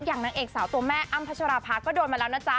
นางเอกสาวตัวแม่อ้ำพัชราภาก็โดนมาแล้วนะจ๊